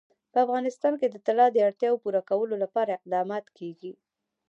په افغانستان کې د طلا د اړتیاوو پوره کولو لپاره اقدامات کېږي.